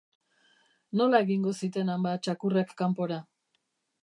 Nola egingo zitenan ba txakurrek kanpora?